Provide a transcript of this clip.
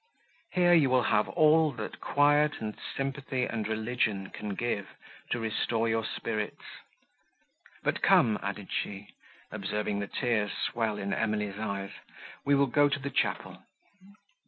Here, you will have all, that quiet and sympathy and religion can give, to restore your spirits. But come," added she, observing the tears swell in Emily's eyes, "we will go to the chapel."